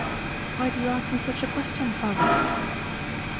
"Why do you ask me such a question, father?"